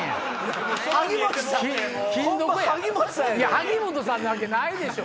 萩本さんなわけないでしょ！